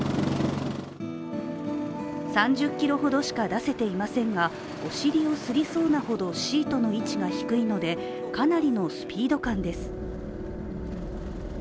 ３０キロほどしか出せていませんがお尻をすりそうなほどシートの位置が低いのでかなりのスピード感です。